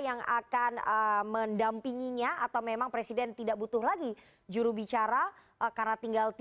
yang akan mendampinginya atau memang presiden tidak butuh lagi jurubicara karena tinggal